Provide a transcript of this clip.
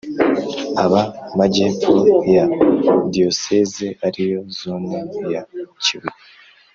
aba majyepfo ya diyosezi, ariyo zone ya kibuye